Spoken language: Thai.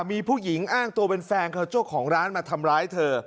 มีผู้หญิงอ้างตัวเป็นแฟนเขาเจ้าของร้านมาทำร้ายเธอ